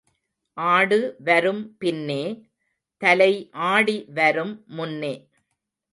ஆடு வரும் பின்னே, தலை ஆடி வரும் முன்னே.